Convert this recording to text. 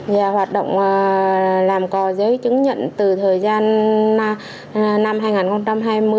và hoạt động làm cò giấy chứng nhận từ thời gian năm hai nghìn hai mươi